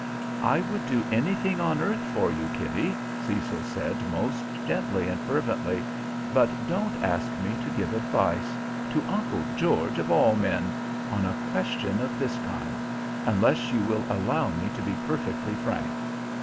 "I would do anything on earth for you, Kitty," Cecil said most gently and fervently; "but don't ask me to give advice to Uncle George of all men on a question of this kind unless you will allow me to be perfectly frank."